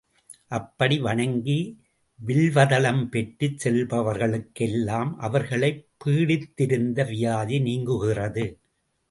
அப்படி வணங்கி வில்வதளம் பெற்றுச் செல்பவர்களுக்கு எல்லாம் அவர்களைப் பீடித்திருந்த வியாதி நீங்குகிறது.